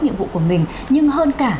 nhiệm vụ của mình nhưng hơn cả